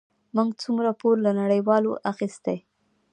موږ څومره پور له نړیوالو اخیستی؟